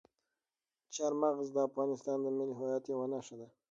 چار مغز د افغانستان د ملي هویت یوه نښه ده.